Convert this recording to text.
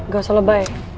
gak usah lebay